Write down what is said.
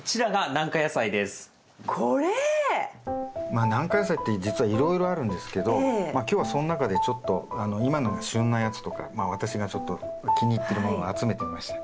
まあ軟化野菜って実はいろいろあるんですけど今日はその中でちょっと今が旬なやつとか私がちょっと気に入ってるものを集めてみました。